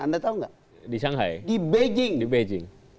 anda tahu gak di shanghai di beijing